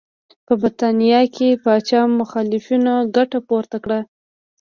په برېټانیا کې پاچا مخالفینو ګټه پورته کړه.